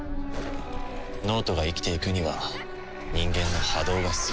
脳人が生きていくには人間の波動が必要だ。